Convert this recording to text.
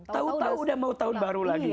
tau tau udah mau tahun baru lagi